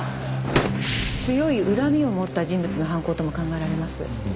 強い恨みを持った人物の犯行とも考えられます。